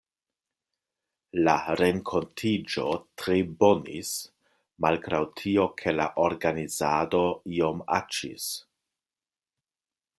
La renkontiĝo tre bonis, malgraŭ tio ke la organizado iom aĉis.